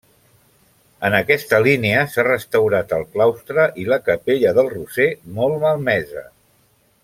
En aquesta línia s'ha restaurat el claustre i la capella del Roser, molt malmesa.